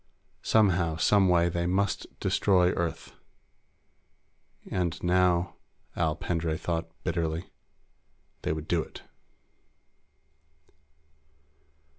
Somehow, some way, they must destroy Earth. And now, Al Pendray thought bitterly, they would do it.